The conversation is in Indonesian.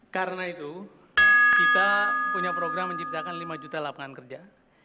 karena itu kita punya program menciptakan lima juta lapangan kerja